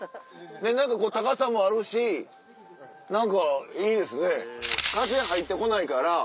何かこう高さもあるし何かいいですね。